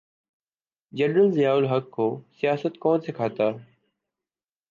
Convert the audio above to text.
General Zia ul Haq کو سیاست کون سکھاتا۔